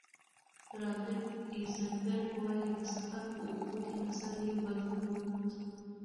رابرټ ایزنبرګ وايي، د سفر په اوږدو کې نظر یې بدلون وموند.